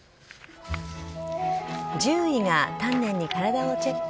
獣医が丹念に体をチェック。